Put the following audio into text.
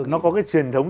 nó có cái truyền thống